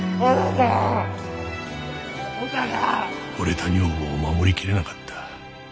惚れた女房を守りきれなかった。